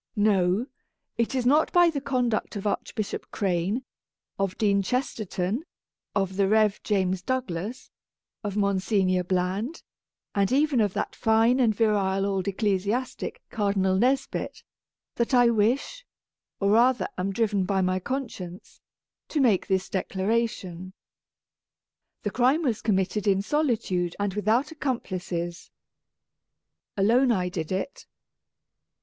No ; it is not by the conduct of Archbishop Crane, of Dean Chesterton, of the Rev. A Tragedy of Twopence James Douglas, of Monsignor Bland, and even of that fine and virile old ecclesiastic. Cardinal Nesbit, that I wish (or rather, am driven by my conscience) to make this declaration. The crime was committed in solitude and without accomplices. Alone I did it.